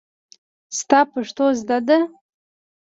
ستا پښتو زده ده.